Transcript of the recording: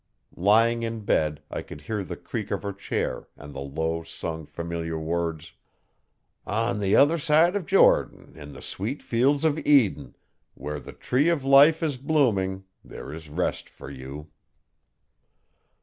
Lying in bed, I could hear the creak of her chair and the low sung, familiar words: 'On the other side of Jordan, In the sweet fields of Eden, Where the tree of life is blooming, There is rest for you.